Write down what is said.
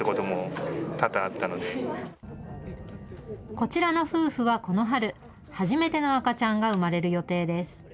こちらの夫婦はこの春、初めての赤ちゃんが生まれる予定です。